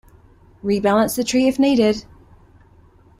Rebalance the tree if needed.